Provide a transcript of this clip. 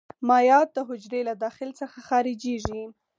مایعات د حجرې له داخل څخه خارجيږي.